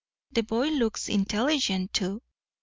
The boy looks intelligent, too.